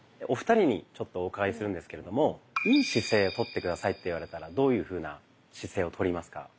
お二人にちょっとお伺いするんですけれども「良い姿勢」をとって下さいって言われたらどういうふうな姿勢をとりますか？